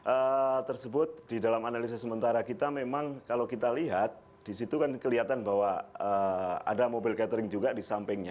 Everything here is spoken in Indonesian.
nah kalau kita lihat di dalam analisis sementara kita memang kalau kita lihat di situ kan kelihatan bahwa ada mobil catering juga di sampingnya